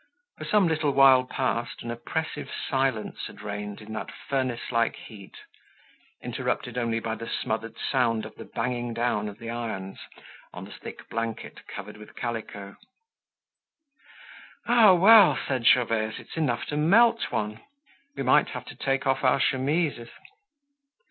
For some little while past an oppressive silence had reigned in that furnace like heat, interrupted only by the smothered sound of the banging down of the irons on the thick blanket covered with calico. "Ah, well!" said Gervaise, "it's enough to melt one! We might have to take off our chemises."